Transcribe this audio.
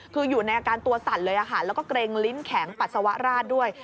คืออยู่ในอาการตัวสั่นเลยแล้วก็เกร็งลิ้นแข็งปัสสาวะราดด้วย